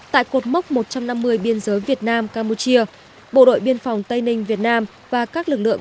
tại cột mốc một trăm năm mươi biên giới việt nam campuchia bộ đội biên phòng tây ninh việt nam và các lực lượng